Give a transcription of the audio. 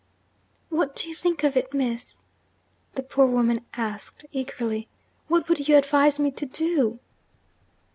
'What do you think of it, Miss?' the poor woman asked eagerly. 'What would you advise me to do?'